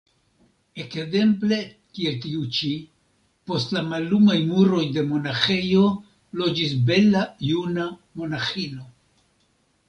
Ekzemple kiel tiu ĉi: post la mallumaj muroj de monaĥejo loĝis bela juna monaĥino.